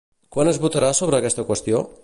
Quan es votarà sobre aquesta qüestió?